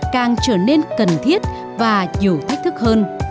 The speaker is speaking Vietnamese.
càng trở nên cần thiết và nhiều thách thức hơn